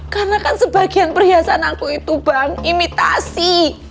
karena kan sebagian perhiasan aku itu bang imitasi